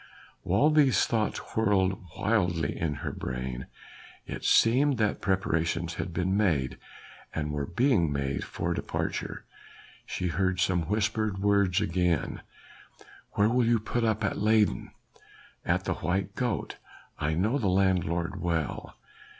While these thoughts whirled wildly in her brain it seemed that preparations had been and were being made for departure. She heard some whispered words again: "Where will you put up at Leyden?" "At the 'White Goat.' I know the landlord well."